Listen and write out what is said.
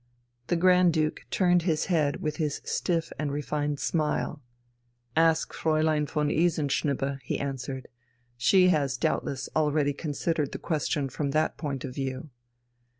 The Grand Duke turned his head with his stiff and refined smile. "Ask Fräulein von Isenschnibbe," he answered. "She has doubtless already considered the question from that point of view."